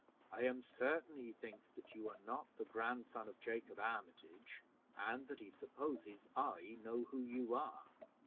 I am certain he thinks that you are not the grandson of Jacob Armitage, and that he supposes I know who you are.